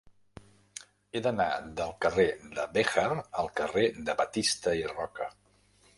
He d'anar del carrer de Béjar al carrer de Batista i Roca.